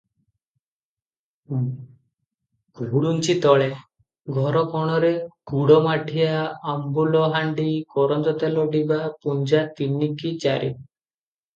ଘୁଡୁଞ୍ଚି ତଳେ, ଘରକୋଣରେ ଗୁଡ଼ମାଠିଆ ଆମ୍ବୁଲ ହାଣ୍ତି, କରଞ୍ଜତେଲ ଡିବା ପୁଞ୍ଜା ତିନି କି ଚାରି ।